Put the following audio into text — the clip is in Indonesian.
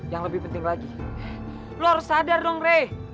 yang lebih penting lagi lo harus sadar dong ray